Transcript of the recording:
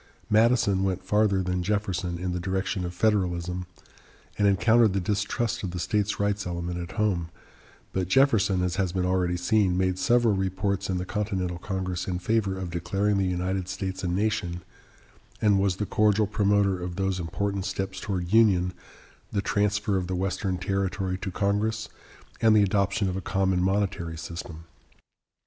Madison went farther than Jefferson in the direction of Federalism, and encountered the distrust of the states rights element at home; but Jefferson, as has been already seen, made several reports in the Continental Congress in favor of declaring the United States a nation, and was the cordial promoter of those important steps towards union, the transfer of the Western territory to Congress and the adoption of a common monetary system.